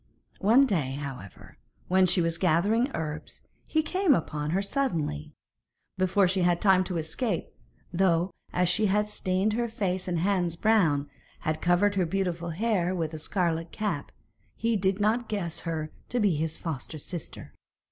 One day, however, when she was gathering herbs, he came upon her suddenly, before she had time to escape, though as she had stained her face and hands brown, and covered her beautiful hair with a scarlet cap, he did not guess her to be his foster sister.